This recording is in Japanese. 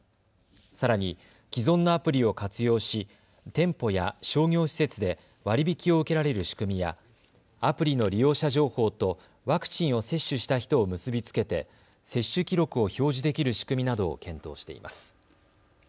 さらに既存のアプリを活用し店舗や商業施設で割り引きを受けられる仕組みやアプリの利用者情報とワクチンを接種した人を結び付けて接種記録を表示できる仕組みなどを検討しています。